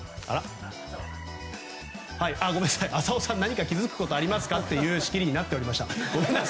浅尾さん、何か気づくことありますかっていうしきりになっておりました。